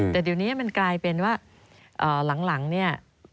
แต่เดี๋ยวนี้มันกลายเป็นว่าหลังเนี่ย